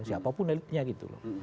siapapun elitnya gitu loh